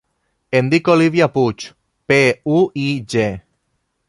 Em dic Olívia Puig: pe, u, i, ge.